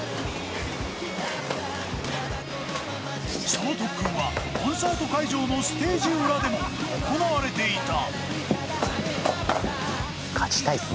その特訓はコンサート会場のステージ裏でも行われていた。